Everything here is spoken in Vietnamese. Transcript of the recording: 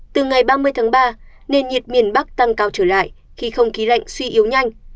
từ ngày ba mươi tháng ba nền nhiệt miền bắc tăng cao trở lại khi không khí lạnh suy yếu nhanh